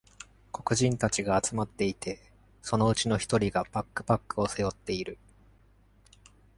黒人たちが集まっていて、そのうちの一人がバックパックを背負っている。